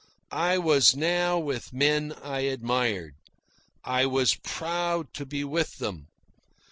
I was now with men I admired. I was proud to be with them.